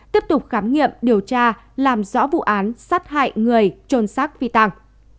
tiếp tục khám nghiệm điều tra làm rõ vụ án sát hại người trôn sát phi tàng